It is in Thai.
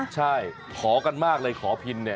ใช่ขอกันมากเลยขอพินเนี่ย